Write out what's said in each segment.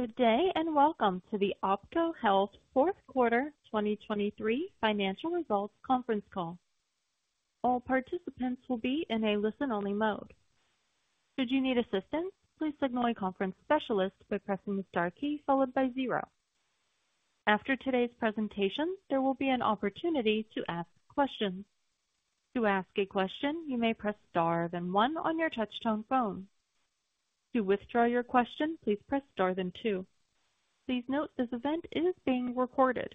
Good day and welcome to the OPKO Health fourth quarter 2023 financial results conference call. All participants will be in a listen-only mode. Should you need assistance, please contact conference specialists by pressing the star key followed by 0. After today's presentation, there will be an opportunity to ask questions. To ask a question, you may press star then one on your touch-tone phone. To withdraw your question, please press star then two. Please note this event is being recorded.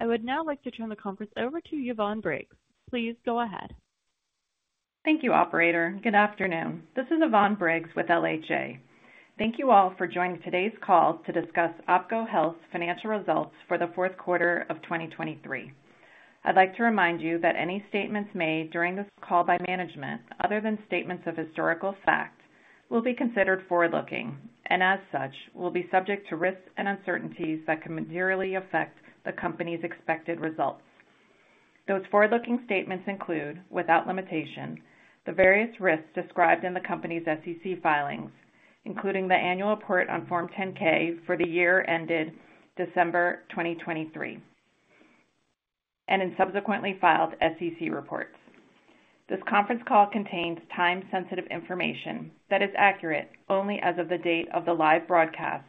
I would now like to turn the conference over to Yvonne Briggs. Please go ahead. Thank you, operator. Good afternoon. This is Yvonne Briggs with LHA. Thank you all for joining today's call to discuss OPKO Health financial results for the fourth quarter of 2023. I'd like to remind you that any statements made during this call by management, other than statements of historical fact, will be considered forward-looking and, as such, will be subject to risks and uncertainties that can materially affect the company's expected results. Those forward-looking statements include, without limitation, the various risks described in the company's SEC filings, including the annual report on Form 10-K for the year ended December 2023 and in subsequently filed SEC reports. This conference call contains time-sensitive information that is accurate only as of the date of the live broadcast,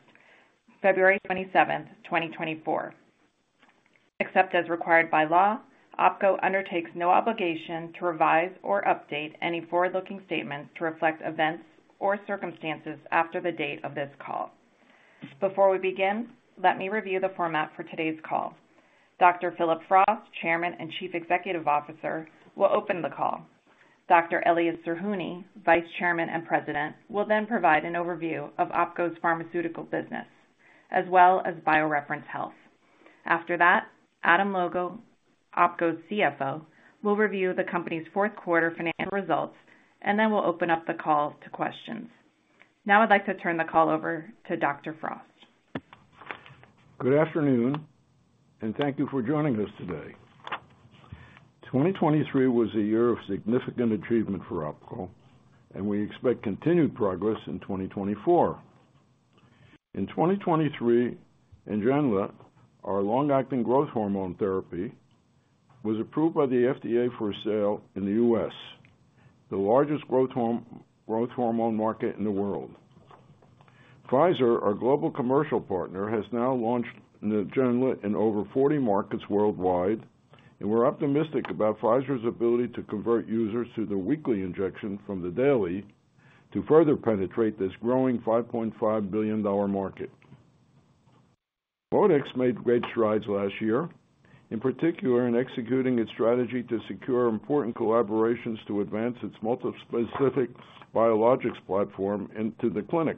February 27, 2024. Except as required by law, OPKO undertakes no obligation to revise or update any forward-looking statements to reflect events or circumstances after the date of this call. Before we begin, let me review the format for today's call. Dr. Phillip Frost, Chairman and Chief Executive Officer, will open the call. Dr. Elias Zerhouni, Vice Chairman and President, will then provide an overview of OPKO's pharmaceutical business, as well as BioReference Health. After that, Adam Logal, OPKO's CFO, will review the company's fourth quarter financial results and then will open up the call to questions. Now I'd like to turn the call over to Dr. Frost. Good afternoon and thank you for joining us today. 2023 was a year of significant achievement for OPKO, and we expect continued progress in 2024. In 2023, NGENLA, our long-acting growth hormone therapy was approved by the FDA for sale in the U.S., the largest growth hormone market in the world. Pfizer, our global commercial partner, has now launched NGENLA in over 40 markets worldwide, and we're optimistic about Pfizer's ability to convert users through the weekly injection from the daily to further penetrate this growing $5.5 billion market. ModeX made great strides last year, in particular in executing its strategy to secure important collaborations to advance its multi-specific biologics platform into the clinic.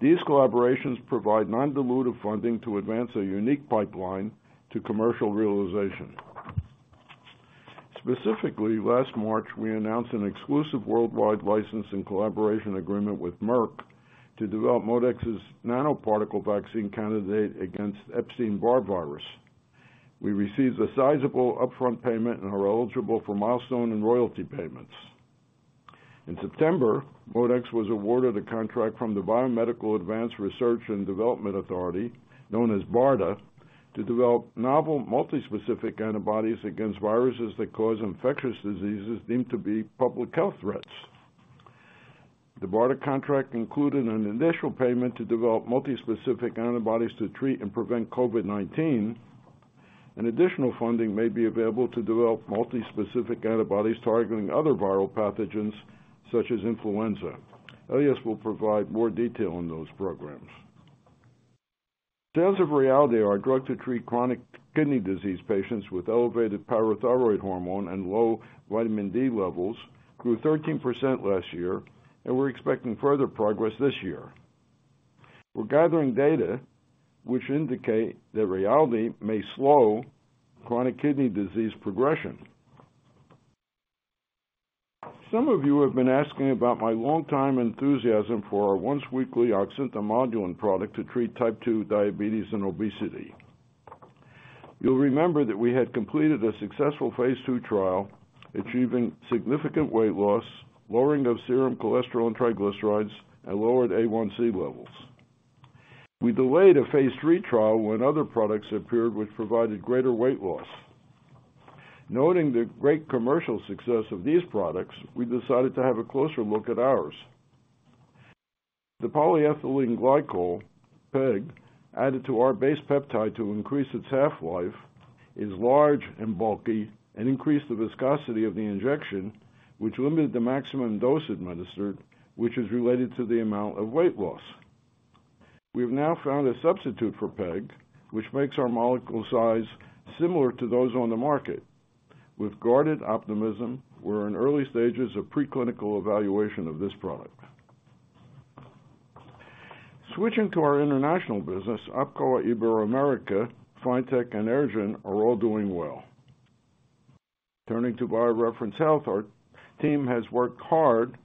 These collaborations provide non-dilutive funding to advance a unique pipeline to commercial realization. Specifically, last March, we announced an exclusive worldwide license and collaboration agreement with Merck to develop ModeX's nanoparticle vaccine candidate against Epstein-Barr virus. We received a sizable upfront payment and are eligible for milestone and royalty payments. In September, ModeX was awarded a contract from the Biomedical Advanced Research and Development Authority, known as BARDA, to develop novel multi-specific antibodies against viruses that cause infectious diseases deemed to be public health threats. The BARDA contract included an initial payment to develop multi-specific antibodies to treat and prevent COVID-19. Additional funding may be available to develop multi-specific antibodies targeting other viral pathogens such as influenza. Elias will provide more detail on those programs. Sales of Rayaldee, our drug to treat chronic kidney disease patients with elevated parathyroid hormone and low vitamin D levels grew 13% last year, and we're expecting further progress this year. We're gathering data which indicate that Rayaldee may slow chronic kidney disease progression. Some of you have been asking about my long-time enthusiasm for our once-weekly oxyntomodulin and product to treat type 2 diabetes and obesity. You'll remember that we had completed a successful phase II trial, achieving significant weight loss, lowering of serum cholesterol and triglycerides, and lowered A1C levels. We delayed a phase II trial when other products appeared which provided greater weight loss. Noting the great commercial success of these products, we decided to have a closer look at ours. The polyethylene glycol, PEG, added to our base peptide to increase its half-life is large and bulky and increased the viscosity of the injection, which limited the maximum dose administered, which is related to the amount of weight loss. We have now found a substitute for PEG, which makes our molecule size similar to those on the market. With guarded optimism, we're in early stages of preclinical evaluation of this product. Switching to our international business, OPKO Iberoamerica, Fintech, and EirGen are all doing well. Turning to BioReference Health, our team has worked hard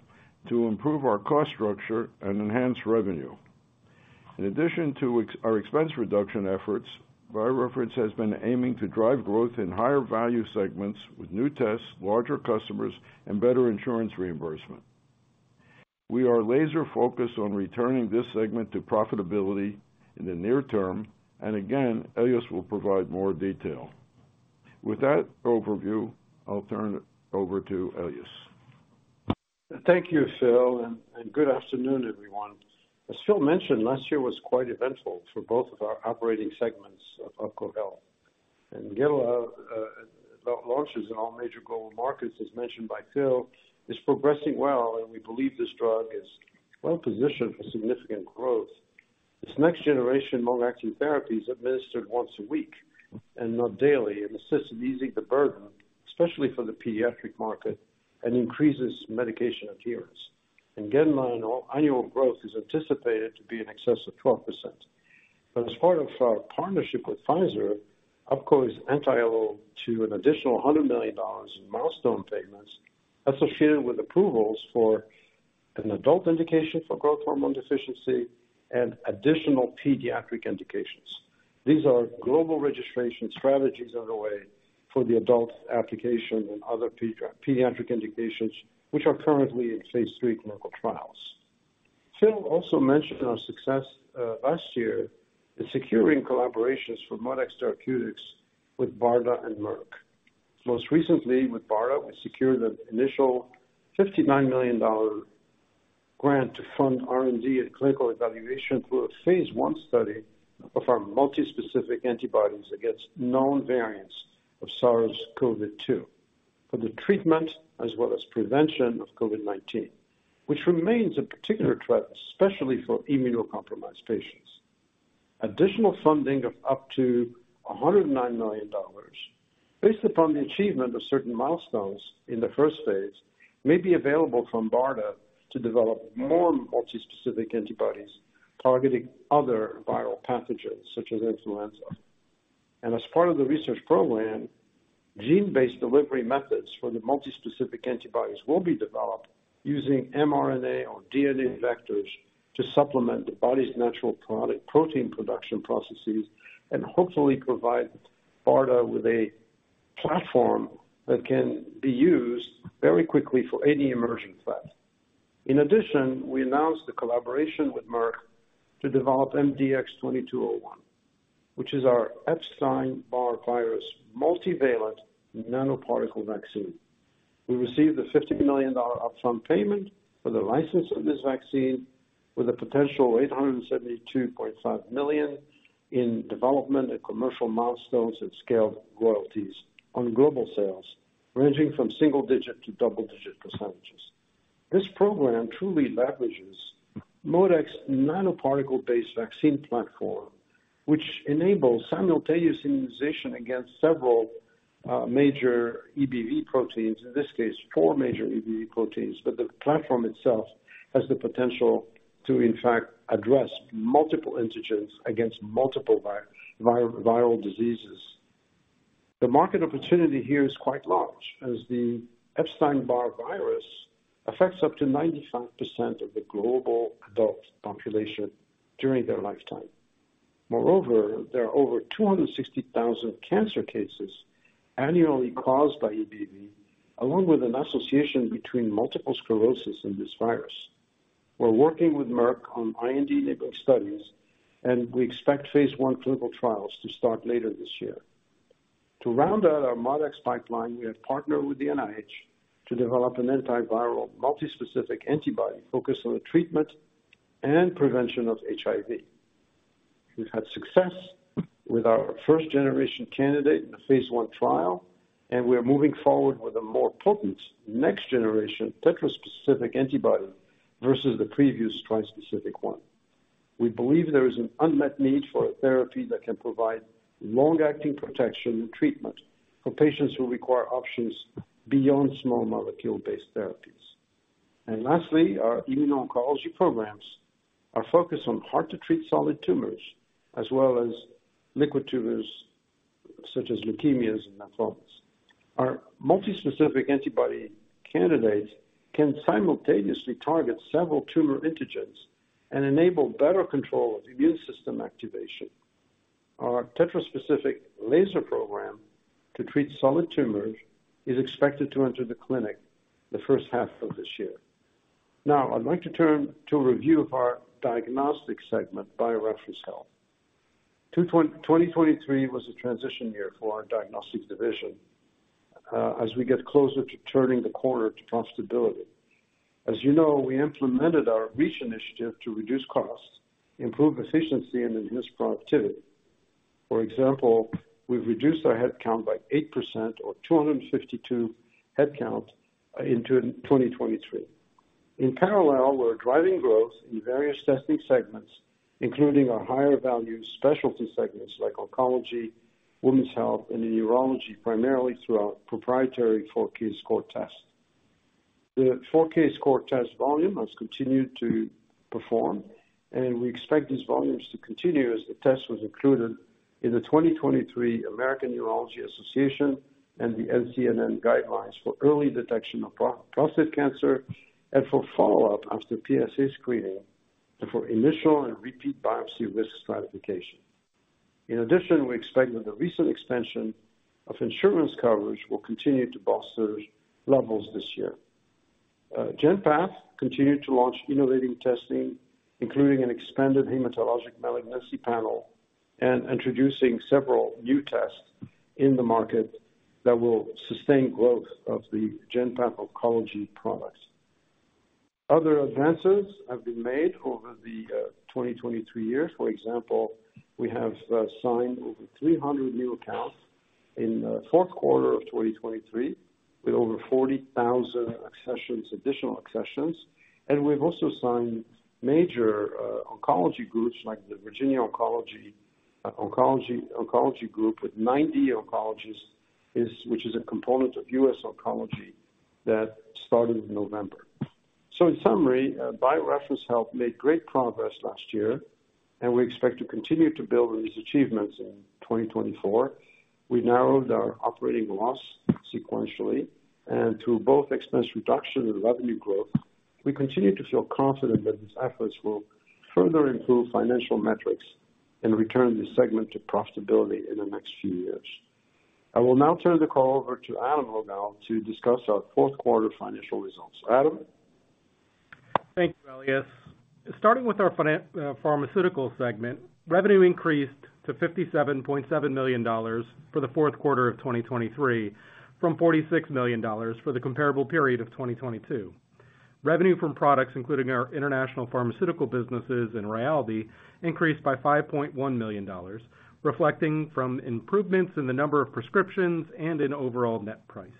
to improve our cost structure and enhance revenue. In addition to our expense reduction efforts, BioReference has been aiming to drive growth in higher value segments with new tests, larger customers, and better insurance reimbursement. We are laser-focused on returning this segment to profitability in the near term, and again, Elias will provide more detail. With that overview, I'll turn it over to Elias. Thank you, Phil, and good afternoon, everyone. As Phil mentioned, last year was quite eventful for both of our operating segments of OPKO Health. And NGENLA launches in all major global markets, as mentioned by Phil, is progressing well, and we believe this drug is well positioned for significant growth. This next generation long-acting therapy is administered once a week and not daily and assists in easing the burden, especially for the pediatric market, and increases medication adherence. And NGENLA's annual growth is anticipated to be in excess of 12%. But as part of our partnership with Pfizer, OPKO is entitled to an additional $100 million in milestone payments associated with approvals for an adult indication for growth hormone deficiency and additional pediatric indications. These are global registration strategies underway for the adult application and other pediatric indications which are currently in phase III clinical trials. Phil also mentioned our success last year in securing collaborations for ModeX Therapeutics with BARDA and Merck. Most recently, with BARDA, we secured an initial $59 million grant to fund R&D and clinical evaluation through a phase I study of our multi-specific antibodies against known variants of SARS-CoV-2 for the treatment as well as prevention of COVID-19, which remains a particular threat, especially for immunocompromised patients. Additional funding of up to $109 million, based upon the achievement of certain milestones in the first phase, may be available from BARDA to develop more multi-specific antibodies targeting other viral pathogens such as influenza. And as part of the research program, gene-based delivery methods for the multi-specific antibodies will be developed using mRNA or DNA vectors to supplement the body's natural protein production processes and hopefully provide BARDA with a platform that can be used very quickly for any emerging threat. In addition, we announced the collaboration with Merck to develop MDX2201, which is our Epstein-Barr virus multivalent nanoparticle vaccine. We received a $50 million upfront payment for the license of this vaccine with a potential of $872.5 million in development and commercial milestones and scaled royalties on global sales ranging from single-digit to double-digit percentages. This program truly leverages ModeX's nanoparticle-based vaccine platform, which enables simultaneous immunization against several major EBV proteins - in this case, four major EBV proteins, but the platform itself has the potential to, in fact, address multiple antigens against multiple viral diseases. The market opportunity here is quite large, as the Epstein-Barr virus affects up to 95% of the global adult population during their lifetime. Moreover, there are over 260,000 cancer cases annually caused by EBV, along with an association between multiple sclerosis and this virus. We're working with Merck on IND-enabling studies, and we expect phase I clinical trials to start later this year. To round out our ModeX pipeline, we have partnered with the NIH to develop an antiviral multi-specific antibody focused on the treatment and prevention of HIV. We've had success with our first-generation candidate in the phase I trial, and we are moving forward with a more potent next-generation tetra-specific antibody versus the previous trispecific one. We believe there is an unmet need for a therapy that can provide long-acting protection and treatment for patients who require options beyond small molecule-based therapies. And lastly, our immuno-oncology programs are focused on hard-to-treat solid tumors as well as liquid tumors such as leukemias and lymphomas. Our multi-specific antibody candidates can simultaneously target several tumor antigens and enable better control of immune system activation. Our tetra-specific laser program to treat solid tumors is expected to enter the clinic the first half of this year. Now, I'd like to turn to a review of our diagnostic segment, BioReference Health. 2023 was a transition year for our diagnostic division as we get closer to turning the corner to profitability. As you know, we implemented our REACH initiative to reduce costs, improve efficiency, and enhance productivity. For example, we've reduced our headcount by 8%, or 252 headcount, into 2023. In parallel, we're driving growth in various testing segments, including our higher value specialty segments like oncology, women's health, and in neurology, primarily through our proprietary 4Kscore test. The 4Kscore test volume has continued to perform, and we expect these volumes to continue as the test was included in the 2023 American Urological Association and the NCCN guidelines for early detection of prostate cancer and for follow-up after PSA screening and for initial and repeat biopsy risk stratification. In addition, we expect that the recent expansion of insurance coverage will continue to bolster levels this year. GenPath continued to launch innovative testing, including an expanded hematologic malignancy panel and introducing several new tests in the market that will sustain growth of the GenPath oncology product. Other advances have been made over the 2023 year. For example, we have signed over 300 new accounts in the fourth quarter of 2023 with over 40,000 additional accessions. We've also signed major oncology groups like the Virginia Oncology Group with 90 oncologists, which is a component of US Oncology that started in November. So in summary, BioReference Health made great progress last year, and we expect to continue to build on these achievements in 2024. We narrowed our operating loss sequentially, and through both expense reduction and revenue growth, we continue to feel confident that these efforts will further improve financial metrics and return this segment to profitability in the next few years. I will now turn the call over to Adam Logal to discuss our fourth quarter financial results. Adam. Thank you, Elias. Starting with our pharmaceutical segment, revenue increased to $57.7 million for the fourth quarter of 2023 from $46 million for the comparable period of 2022. Revenue from products, including our international pharmaceutical businesses and Rayaldee, increased by $5.1 million, reflecting from improvements in the number of prescriptions and in overall net price.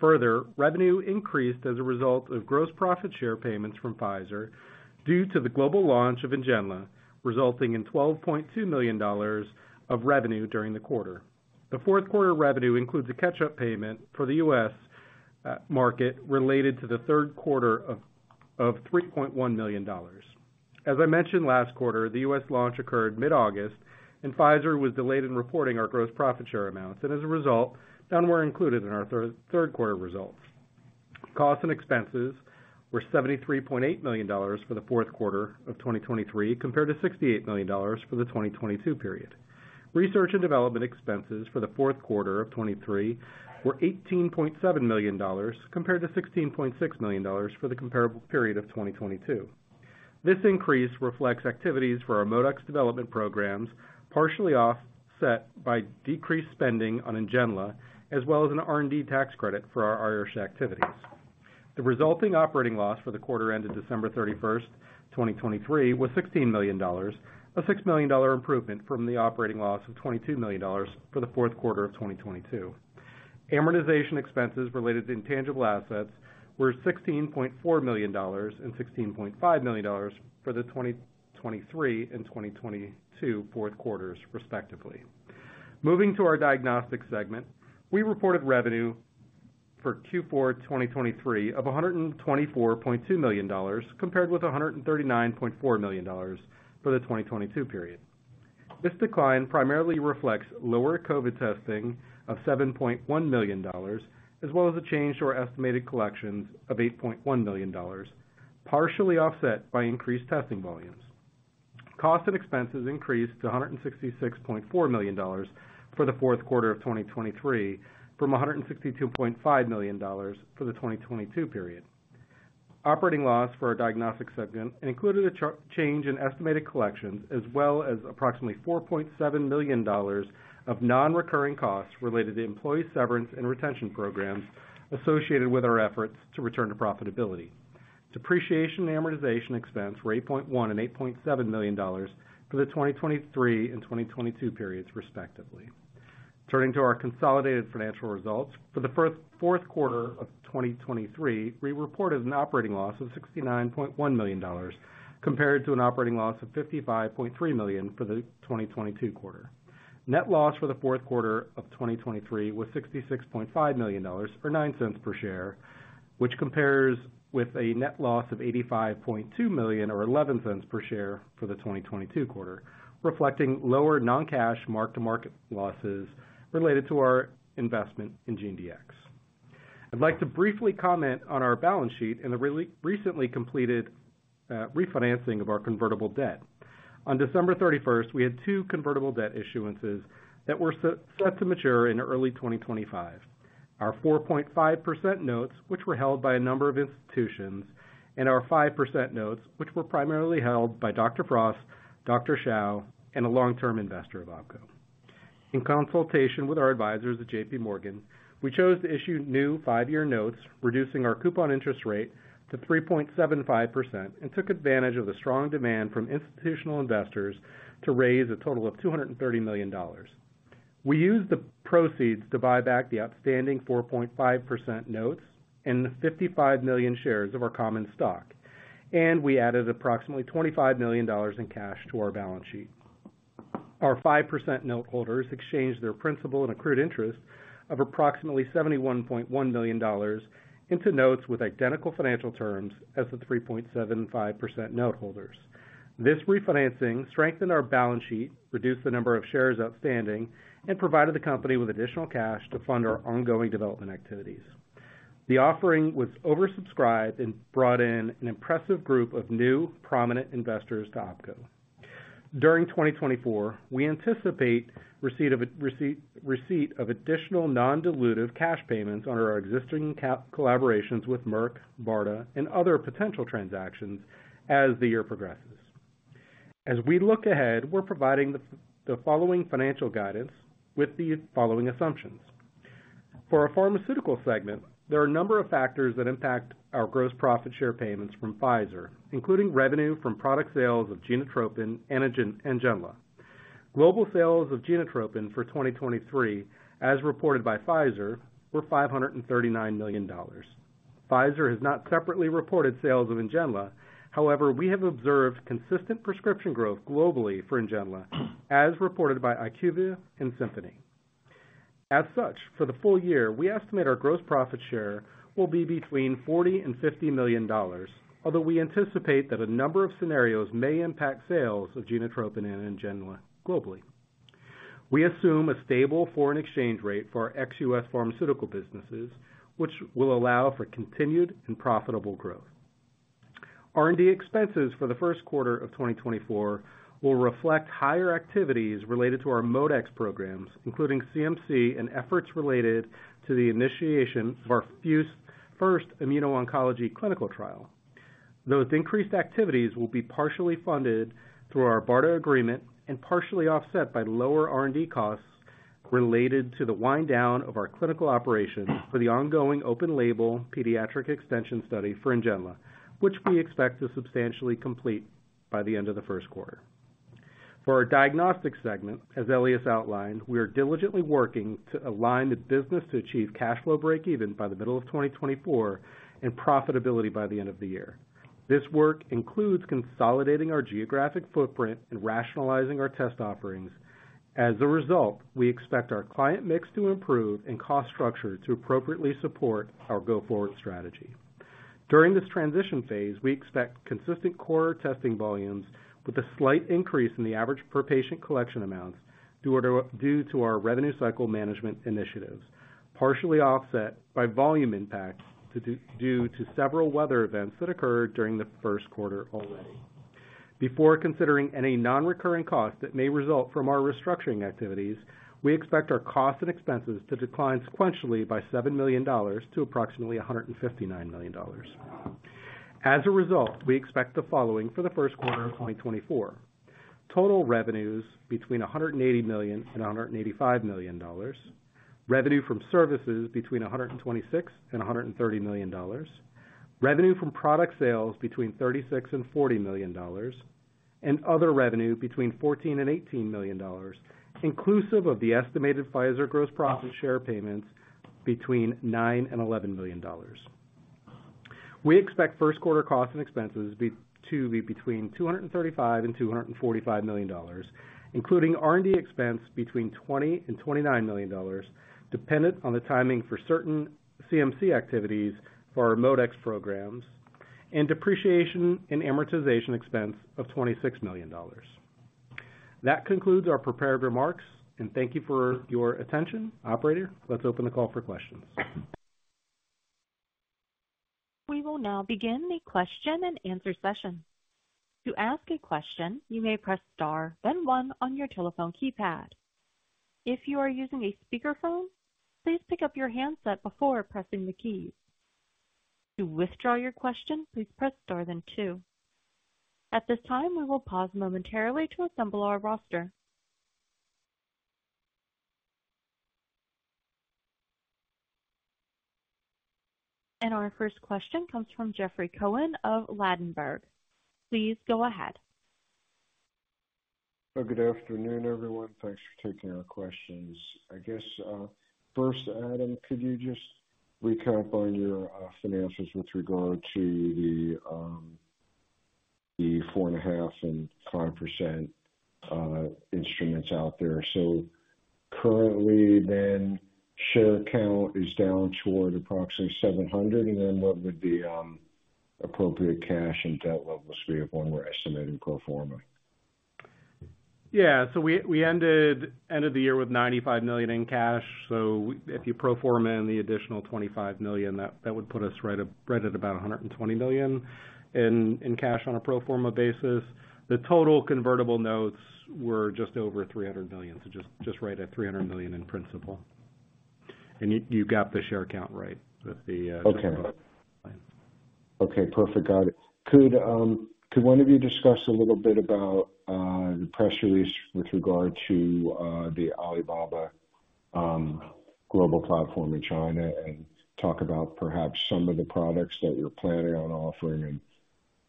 Further, revenue increased as a result of gross profit share payments from Pfizer due to the global launch of NGENLA, resulting in $12.2 million of revenue during the quarter. The fourth quarter revenue includes a catch-up payment for the U.S. market related to the third quarter of $3.1 million. As I mentioned, last quarter, the U.S. launch occurred mid-August, and Pfizer was delayed in reporting our gross profit share amounts. As a result, none were included in our third quarter results. Costs and expenses were $73.8 million for the fourth quarter of 2023 compared to $68 million for the 2022 period. Research and development expenses for the fourth quarter of 2023 were $18.7 million compared to $16.6 million for the comparable period of 2022. This increase reflects activities for our ModeX development programs partially offset by decreased spending on NGENLA as well as an R&D tax credit for our Irish activities. The resulting operating loss for the quarter ended December 31st, 2023, was $16 million, a $6 million improvement from the operating loss of $22 million for the fourth quarter of 2022. Amortization expenses related to intangible assets were $16.4 million and $16.5 million for the 2023 and 2022 fourth quarters, respectively. Moving to our diagnostic segment, we reported revenue for Q4 2023 of $124.2 million compared with $139.4 million for the 2022 period. This decline primarily reflects lower COVID testing of $7.1 million as well as a change to our estimated collections of $8.1 million, partially offset by increased testing volumes. Costs and expenses increased to $166.4 million for the fourth quarter of 2023 from $162.5 million for the 2022 period. Operating loss for our diagnostic segment included a change in estimated collections as well as approximately $4.7 million of non-recurring costs related to employee severance and retention programs associated with our efforts to return to profitability. Depreciation and amortization expense were $8.1 and $8.7 million for the 2023 and 2022 periods, respectively. Turning to our consolidated financial results, for the fourth quarter of 2023, we reported an operating loss of $69.1 million compared to an operating loss of $55.3 million for the 2022 quarter. Net loss for the fourth quarter of 2023 was $66.5 million or $0.09 per share, which compares with a net loss of $85.2 million or $0.11 per share for the 2022 quarter, reflecting lower non-cash mark-to-market losses related to our investment in GeneDx. I'd like to briefly comment on our balance sheet and the recently completed refinancing of our convertible debt. On December 31st, we had two convertible debt issuances that were set to mature in early 2025: our 4.5% notes, which were held by a number of institutions, and our 5% notes, which were primarily held by Dr. Frost, Dr. Hsiao, and a long-term investor of OPKO. In consultation with our advisors at JPMorgan, we chose to issue new five-year notes, reducing our coupon interest rate to 3.75% and took advantage of the strong demand from institutional investors to raise a total of $230 million. We used the proceeds to buy back the outstanding 4.5% notes and the 55 million shares of our common stock, and we added approximately $25 million in cash to our balance sheet. Our 5% noteholders exchanged their principal and accrued interest of approximately $71.1 million into notes with identical financial terms as the 3.75% noteholders. This refinancing strengthened our balance sheet, reduced the number of shares outstanding, and provided the company with additional cash to fund our ongoing development activities. The offering was oversubscribed and brought in an impressive group of new prominent investors to OPKO. During 2024, we anticipate receipt of additional non-dilutive cash payments under our existing collaborations with Merck, BARDA, and other potential transactions as the year progresses. As we look ahead, we're providing the following financial guidance with the following assumptions. For our pharmaceutical segment, there are a number of factors that impact our gross profit share payments from Pfizer, including revenue from product sales of Genotropin, Anagen, and NGENLA. global sales of Genotropin for 2023, as reported by Pfizer, were $539 million. Pfizer has not separately reported sales of NGENLA. However, we have observed consistent prescription growth globally for NGENLA, as reported by IQVIA and Symphony. As such, for the full year, we estimate our gross profit share will be between $40-$50 million, although we anticipate that a number of scenarios may impact sales of Genotropin and NGENLA globally. We assume a stable foreign exchange rate for our ex-US pharmaceutical businesses, which will allow for continued and profitable growth. R&D expenses for the first quarter of 2024 will reflect higher activities related to our ModeX programs, including CMC and efforts related to the initiation of our first immuno-oncology clinical trial. Those increased activities will be partially funded through our BARDA agreement and partially offset by lower R&D costs related to the wind-down of our clinical operation for the ongoing open-label pediatric extension study for NGENLA, which we expect to substantially complete by the end of the first quarter. For our diagnostic segment, as Elias outlined, we are diligently working to align the business to achieve cash flow break-even by the middle of 2024 and profitability by the end of the year. This work includes consolidating our geographic footprint and rationalizing our test offerings. As a result, we expect our client mix to improve and cost structure to appropriately support our go-forward strategy. During this transition phase, we expect consistent core testing volumes with a slight increase in the average per-patient collection amounts due to our revenue cycle management initiatives, partially offset by volume impact due to several weather events that occurred during the first quarter already. Before considering any non-recurring costs that may result from our restructuring activities, we expect our costs and expenses to decline sequentially by $7 million to approximately $159 million. As a result, we expect the following for the first quarter of 2024: total revenues between $180 million and $185 million, revenue from services between $126 million and $130 million, revenue from product sales between $36 million and $40 million, and other revenue between $14 million and $18 million, inclusive of the estimated Pfizer gross profit share payments between $9 million and $11 million. We expect first quarter costs and expenses to be between $235 million-$245 million, including R&D expense between $20 million-$29 million, dependent on the timing for certain CMC activities for our LODEX programs, and depreciation and amortization expense of $26 million. That concludes our prepared remarks. And thank you for your attention, operator. Let's open the call for questions. We will now begin the question-and-answer session. To ask a question, you may press star, then one on your telephone keypad. If you are using a speakerphone, please pick up your handset before pressing the keys. To withdraw your question, please press star, then two. At this time, we will pause momentarily to assemble our roster. Our first question comes from Jeffrey Cohen of Ladenburg. Please go ahead. Good afternoon, everyone. Thanks for taking our questions. I guess first, Adam, could you just recap on your finances with regard to the 4.5% and 5% instruments out there? So currently, then, share count is down toward approximately 700. And then what would the appropriate cash and debt levels be of when we're estimating pro forma? Yeah. So we ended the year with $95 million in cash. So if you pro forma in the additional $25 million, that would put us right at about $120 million in cash on a pro forma basis. The total convertible notes were just over $300 million, so just right at $300 million in principal. You got the share count right with the pro forma line. Okay. Perfect. Got it. Could one of you discuss a little bit about the press release with regard to the Alibaba global platform in China and talk about perhaps some of the products that you're planning on offering and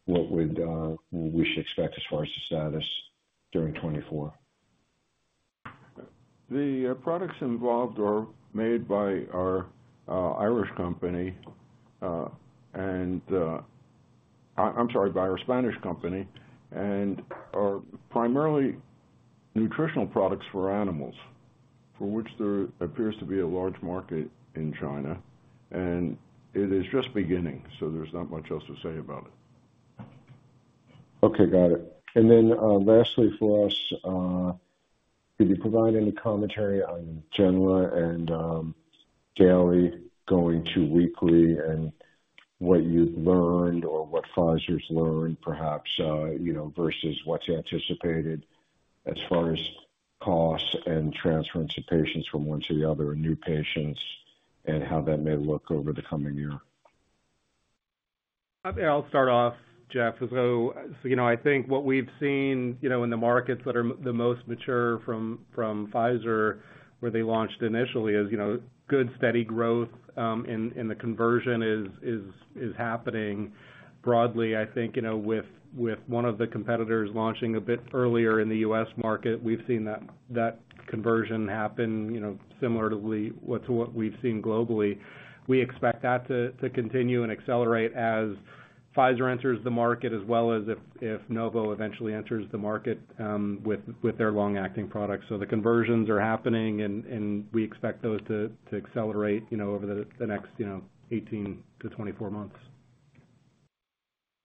what we should expect as far as the status during 2024? The products involved are made by our Irish company and I'm sorry, by our Spanish company and are primarily nutritional products for animals, for which there appears to be a large market in China. It is just beginning, so there's not much else to say about it. Okay. Got it. And then lastly for us, could you provide any commentary on NGENLA and daily, going to weekly, and what you've learned or what Pfizer's learned, perhaps, versus what's anticipated as far as costs and transference of patients from one to the other and new patients and how that may look over the coming year? I'll start off, Jeff. So I think what we've seen in the markets that are the most mature from Pfizer, where they launched initially, is good, steady growth, and the conversion is happening broadly. I think with one of the competitors launching a bit earlier in the U.S. market, we've seen that conversion happen similarly to what we've seen globally. We expect that to continue and accelerate as Pfizer enters the market as well as if Novo eventually enters the market with their long-acting products. So the conversions are happening, and we expect those to accelerate over the next 18-24 months.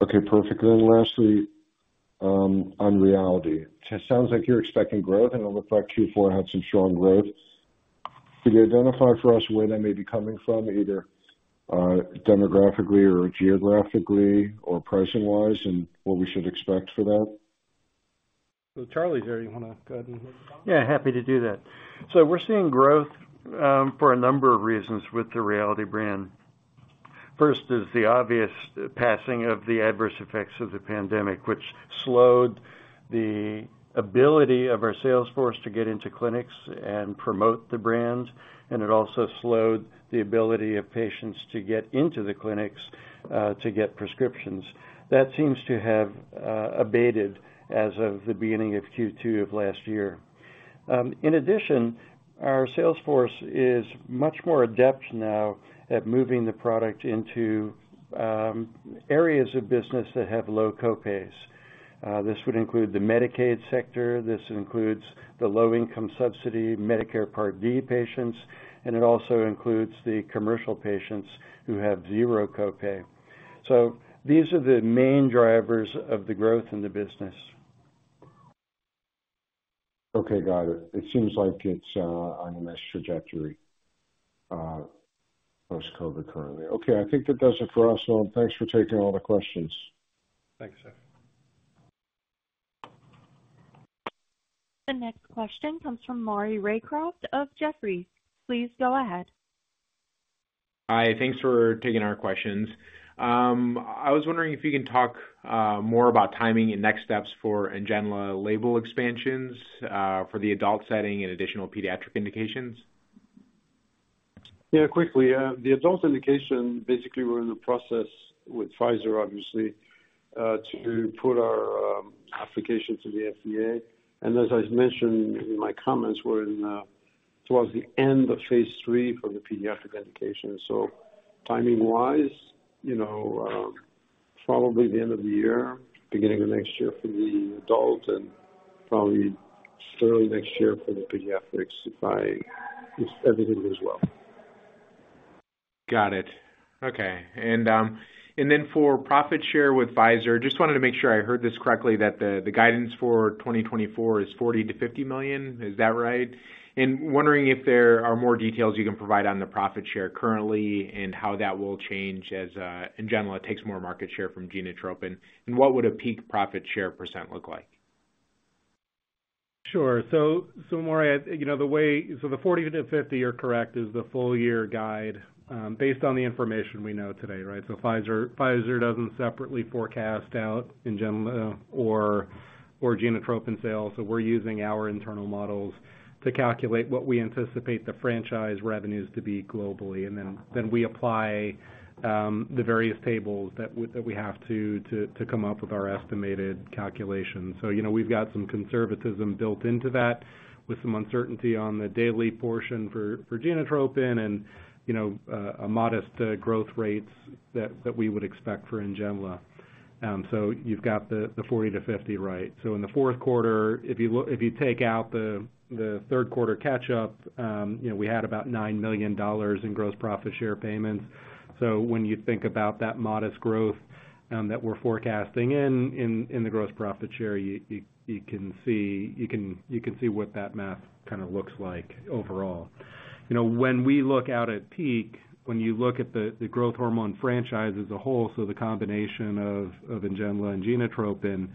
Okay. Perfect. And then lastly, on Rayaldee. It sounds like you're expecting growth, and it looked like Q4 had some strong growth. Could you identify for us where that may be coming from, either demographically or geographically or pricing-wise, and what we should expect for that? So Charlie there, you want to go ahead and? Yeah. Happy to do that. So we're seeing growth for a number of reasons with the Rayaldee brand. First is the obvious passing of the adverse effects of the pandemic, which slowed the ability of our sales force to get into clinics and promote the brand. And it also slowed the ability of patients to get into the clinics to get prescriptions. That seems to have abated as of the beginning of Q2 of last year. In addition, our sales force is much more adept now at moving the product into areas of business that have low copays. This would include the Medicaid sector. This includes the low-income subsidy Medicare Part D patients. And it also includes the commercial patients who have zero copay. So these are the main drivers of the growth in the business. Okay. Got it. It seems like it's on the best trajectory post-COVID currently. Okay. I think that does it for us, and thanks for taking all the questions. Thanks, Jeff. The next question comes from Maury Raycroft of Jefferies. Please go ahead. Hi. Thanks for taking our questions. I was wondering if you can talk more about timing and next steps for NGENLA label expansions for the adult setting and additional pediatric indications? Yeah. Quickly. The adult indication, basically, we're in the process with Pfizer, obviously, to put our application to the FDA. And as I mentioned in my comments, we're towards the end of phase three for the pediatric indication. So timing-wise, probably the end of the year, beginning of next year for the adult, and probably early next year for the pediatrics if everything goes well. Got it. Okay. And then for profit share with Pfizer, just wanted to make sure I heard this correctly, that the guidance for 2024 is $40 million-$50 million. Is that right? And wondering if there are more details you can provide on the profit share currently and how that will change as NGENLA takes more market share from Genotropin. And what would a peak profit share % look like? Sure. So Maury, the way so the $40 million-$50 million, you're correct, is the full-year guide based on the information we know today, right? So Pfizer doesn't separately forecast out NGENLA or Genotropin sales. So we're using our internal models to calculate what we anticipate the franchise revenues to be globally. And then we apply the various tables that we have to come up with our estimated calculations. So we've got some conservatism built into that with some uncertainty on the daily portion for Genotropin and modest growth rates that we would expect for NGENLA. So you've got the $40 million-$50 million right. So in the fourth quarter, if you take out the third-quarter catch-up, we had about $9 million in gross profit share payments. So when you think about that modest growth that we're forecasting in the gross profit share, you can see what that math kind of looks like overall. When we look out at peak, when you look at the growth hormone franchise as a whole, so the combination of NGENLA and Genotropin,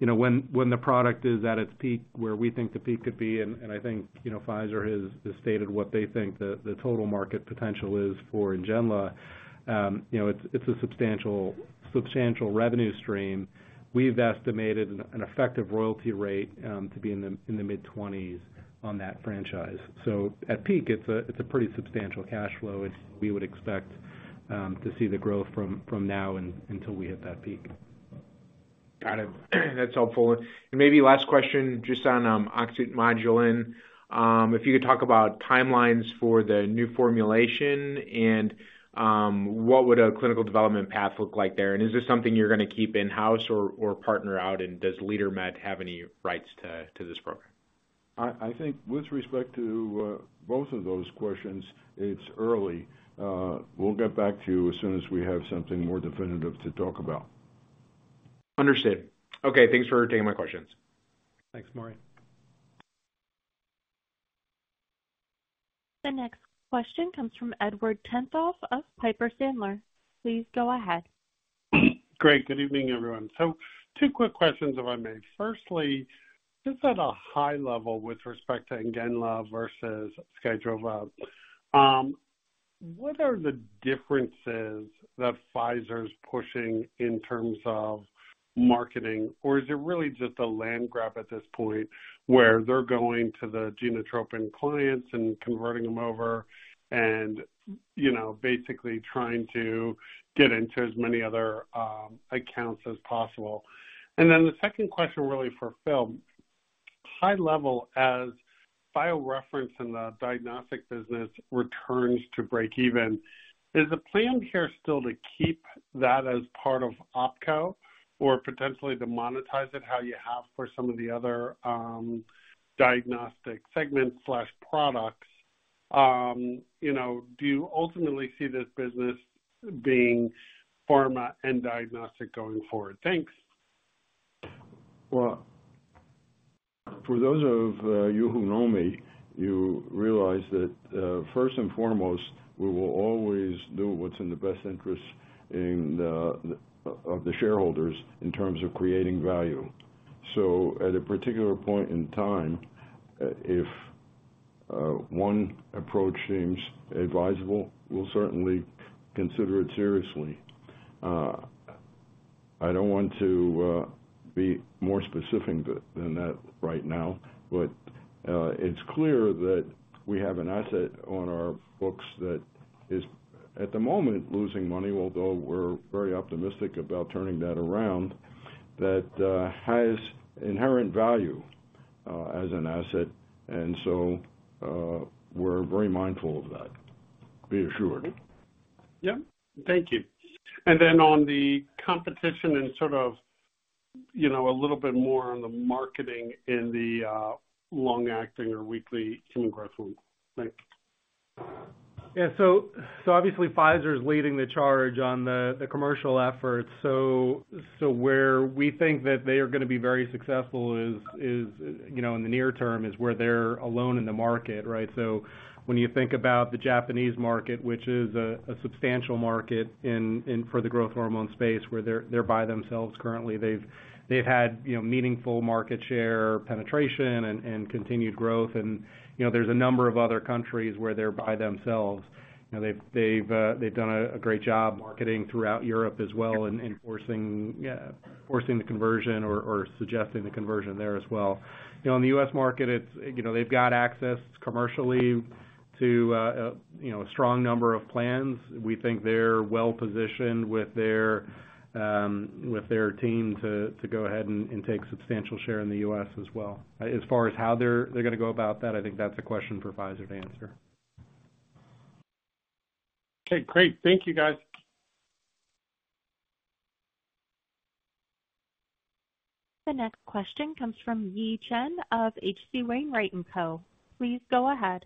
when the product is at its peak where we think the peak could be and I think Pfizer has stated what they think the total market potential is for NGENLA, it's a substantial revenue stream. We've estimated an effective royalty rate to be in the mid-20s on that franchise. So at peak, it's a pretty substantial cash flow, and we would expect to see the growth from now until we hit that peak. Got it. That's helpful. Maybe last question just on oxyntomodulin. If you could talk about timelines for the new formulation and what would a clinical development path look like there? And is this something you're going to keep in-house or partner out? And does LeaderMed have any rights to this program? I think with respect to both of those questions, it's early. We'll get back to you as soon as we have something more definitive to talk about. Understood. Okay. Thanks for taking my questions. Thanks, Maury. The next question comes from Edward Tenthoff of Piper Sandler. Please go ahead. Great. Good evening, everyone. So two quick questions, if I may. Firstly, just at a high level with respect to NGENLA versus Skytrofa, what are the differences that Pfizer's pushing in terms of marketing? Or is it really just a land grab at this point where they're going to the Genotropin clients and converting them over and basically trying to get into as many other accounts as possible? And then the second question really for Phil, high level, as BioReference in the diagnostic business returns to break even, is the plan here still to keep that as part of OPKO or potentially to monetize it how you have for some of the other diagnostic segments/products? Do you ultimately see this business being pharma and diagnostic going forward? Thanks. Well, for those of you who know me, you realize that first and foremost, we will always do what's in the best interest of the shareholders in terms of creating value. So at a particular point in time, if one approach seems advisable, we'll certainly consider it seriously. I don't want to be more specific than that right now, but it's clear that we have an asset on our books that is at the moment losing money, although we're very optimistic about turning that around, that has inherent value as an asset. And so we're very mindful of that, be assured. Yeah. Thank you. And then on the competition and sort of a little bit more on the marketing in the long-acting or weekly human growth hormone. Thanks. Yeah. So obviously, Pfizer's leading the charge on the commercial efforts. So where we think that they are going to be very successful in the near term is where they're alone in the market, right? So when you think about the Japanese market, which is a substantial market for the growth hormone space, where they're by themselves currently, they've had meaningful market share penetration and continued growth. And there's a number of other countries where they're by themselves. They've done a great job marketing throughout Europe as well and forcing the conversion or suggesting the conversion there as well. On the U.S. market, they've got access commercially to a strong number of plans. We think they're well-positioned with their team to go ahead and take substantial share in the U.S. as well. As far as how they're going to go about that, I think that's a question for Pfizer to answer. Okay. Great. Thank you, guys. The next question comes from Yi Chen of H.C. Wainwright & Co. Please go ahead.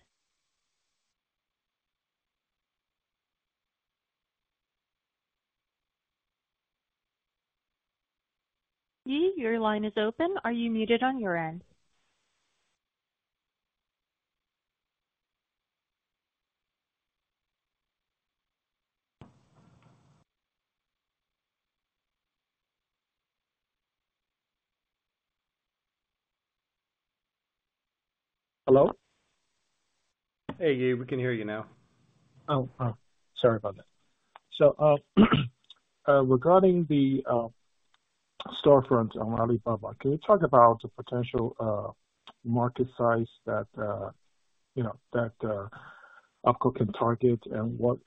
Yi, your line is open. Are you muted on your end? Hello? Hey, Ye. We can hear you now. Oh, sorry about that. So regarding the storefronts on Alibaba, can you talk about the potential market size that OPKO can target and what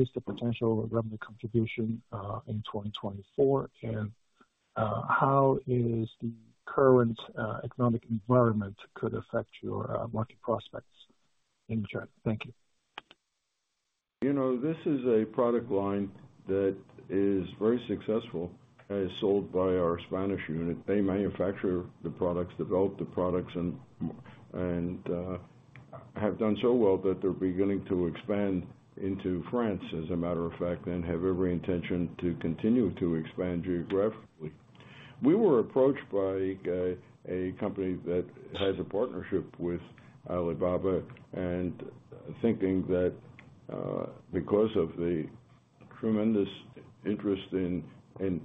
is the potential revenue contribution in 2024? And how is the current economic environment could affect your market prospects? Yi Chen, thank you. This is a product line that is very successful. It's sold by our Spanish unit. They manufacture the products, develop the products, and have done so well that they're beginning to expand into France, as a matter of fact, and have every intention to continue to expand geographically. We were approached by a company that has a partnership with Alibaba and thinking that because of the tremendous interest in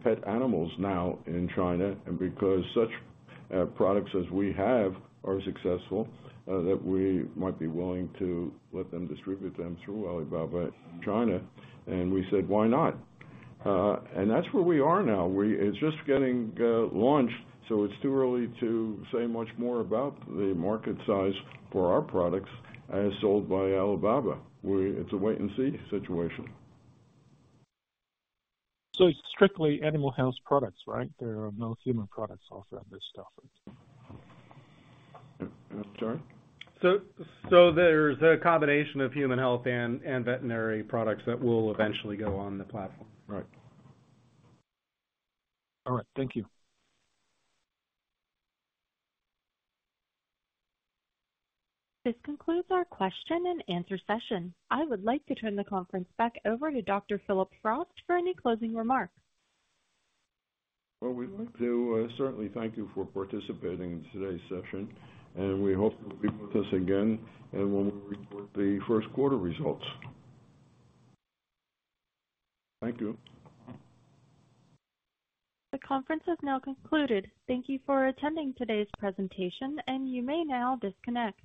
pet animals now in China and because such products as we have are successful, that we might be willing to let them distribute them through Alibaba in China. And we said, "Why not?" And that's where we are now. It's just getting launched, so it's too early to say much more about the market size for our products as sold by Alibaba. It's a wait-and-see situation. It's strictly animal health products, right? There are no human products offered on this stuff. I'm sorry? There's a combination of human health and veterinary products that will eventually go on the platform. Right. All right. Thank you. This concludes our question-and-answer session. I would like to turn the conference back over to Dr. Phillip Frost for any closing remarks. Well, we'd like to certainly thank you for participating in today's session. We hope you'll be with us again when we report the first-quarter results. Thank you. The conference has now concluded. Thank you for attending today's presentation, and you may now disconnect.